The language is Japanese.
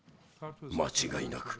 間違いなく。